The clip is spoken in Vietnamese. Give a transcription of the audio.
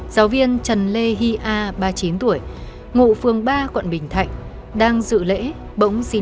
giáo viên trần lê hy a ba mươi chín tuổi ngụ phường ba quận bình thạnh đang dự lễ bỗng xí